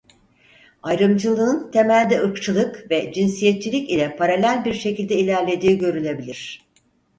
Ayrımcılığın temelde ırkçılık ve cinsiyetçilik ile paralel bir şekilde ilerlediği görülebilir.